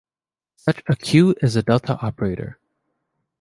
Such a "Q" is a delta operator.